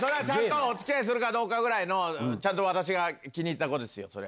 お付き合いするかどうかぐらいの私が気に入った子ですよ。